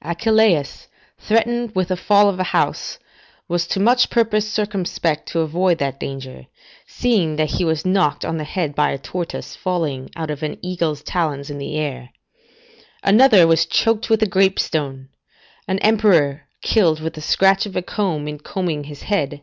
[Philip, eldest son of Louis le Gros.] AEschylus, threatened with the fall of a house, was to much purpose circumspect to avoid that danger, seeing that he was knocked on the head by a tortoise falling out of an eagle's talons in the air. Another was choked with a grape stone; [Val. Max., ix. 12, ext. 2.] an emperor killed with the scratch of a comb in combing his head.